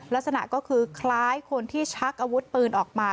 ลักษณะก็คือคล้ายคนที่ชักอาวุธปืนออกมา